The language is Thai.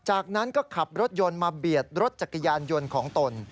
จากนั้นก็ขับรถยนต์มาเบียดรถจักรยานยนต์ของตน